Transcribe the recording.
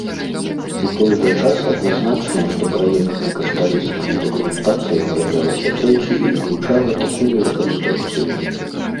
У той жа час адзначана што праектна-каштарысная дакументацыя выраблялася тройчы і ўключала такую рэканструкцыю.